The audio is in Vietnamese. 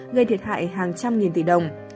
gây thiệt hại hàng trăm nghìn tỷ đồng